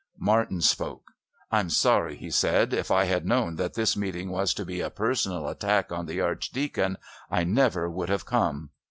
Martin spoke. "I'm sorry," he said. "If I had known that this meeting was to be a personal attack on the Archdeacon, I never would have come.